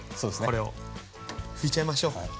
これを拭いちゃいましょう。